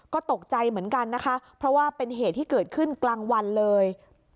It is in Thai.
ก็ตกใจเหมือนกันนะคะเพราะว่าเป็นเหตุที่เกิดขึ้นกลางวันเลย